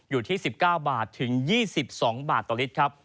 อยู่ที่๑๙บาทถึง๒๒บาทต่อลิตรครับ